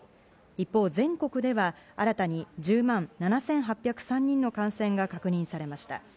一方、全国では新たに１０万７８０３人の感染が確認されました。